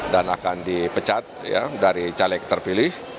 dan akan dipecat dari caleg terpilih